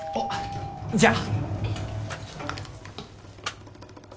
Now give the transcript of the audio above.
じゃあ。